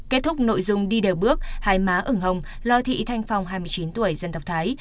kết thúc nội dung đi đều bước hai má ửng hồng lo thị thanh phong hai mươi chín tuổi dân tộc thái